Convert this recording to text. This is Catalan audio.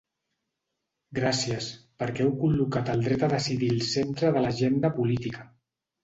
Gràcies, perquè heu col·locat el dret a decidir al centre de l’agenda política.